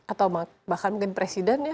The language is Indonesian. atau bahkan mungkin presiden ya